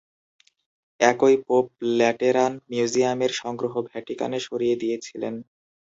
একই pope Lateran মিউজিয়ামের সংগ্রহ ভ্যাটিকানে সরিয়ে দিয়েছিলেন।